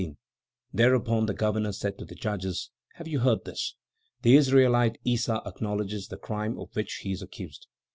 Thereupon the governor said to the judges: "Have you heard this? The Israelite Issa acknowledges the crime of which he is accused.